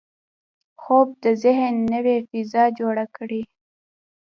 خوب د ذهن نوې فضا جوړه کړي